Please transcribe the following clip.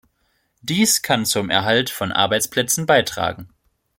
Dies kann zum Erhalt von Arbeitsplätzen beitragen.